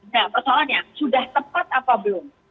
nah persoalannya sudah tepat apa belum